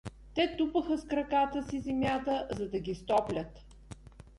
Те тупаха с краката си земята, за да ги стоплят.